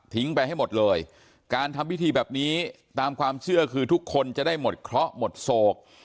ไปให้หมดเลยการทำพิธีแบบนี้ตามความเชื่อคือทุกคนจะได้หมดเคราะห์หมดโศก